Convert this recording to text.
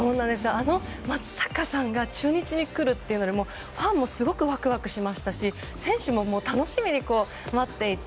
あの松坂さんが中日にくるということでファンもすごくワクワクしましたし選手も楽しみに待っていて。